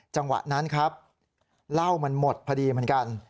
จังหวะนั้นครับเหล้ามันหมดพอดีเหมือนกัน